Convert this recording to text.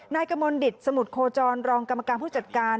นายกมลดิตสมุทรโคจรรองกรรมการผู้จัดการ